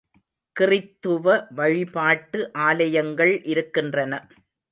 கிறித்துவ வழிபாட்டு ஆலயங்கள் இருக்கின்றன.